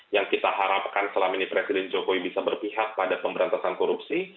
yang kita harapkan selama ini presiden jokowi bisa berpihak pada pemberantasan korupsi